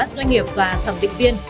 doanh nghiệp và thẩm định viên